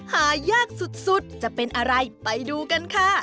หายากสุดจะเป็นอะไรไปดูกันค่ะ